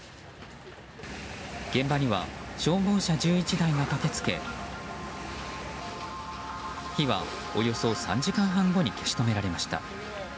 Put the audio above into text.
現場には消防車１１台が駆けつけ火は、およそ３時間後に消し止められました。